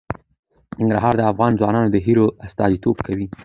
ننګرهار د افغان ځوانانو د هیلو استازیتوب کوي.